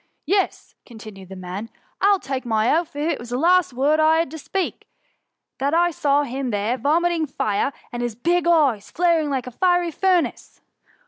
'^ Yes," continued the man ;^' 1 11 take my oath, if it was the last word I had to speak, that I saw him there vomiting fire, and his big eyes flaring like a fiery furnace."